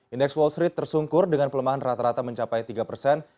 indeks wall street tersungkur dengan pelemahan rata rata mencapai tiga persen